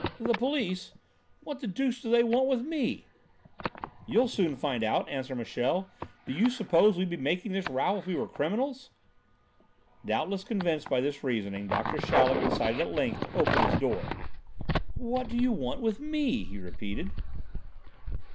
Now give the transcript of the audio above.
"The police! What the deuce do they want with me?" "You'll soon find out," answered Michel. "Do you suppose we'd be making this row if we were criminals?" Doubtless convinced by this reasoning, Doctor Chaleck decided at length to open his door. "What do you want with me?" he repeated.